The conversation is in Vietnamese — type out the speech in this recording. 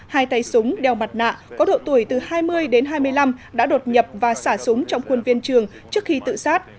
hai tay súng đeo mặt nạ có độ tuổi từ hai mươi đến hai mươi năm đã đột nhập và xả súng trong khuôn viên trường trước khi tự sát